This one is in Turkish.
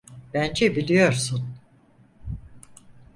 Bence biliyorsun.